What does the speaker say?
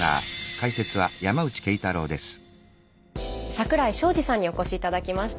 桜井昌司さんにお越し頂きました。